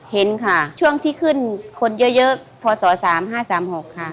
เห็นค่ะช่วงที่ขึ้นคนเยอะพศ๓๕๓๖ค่ะ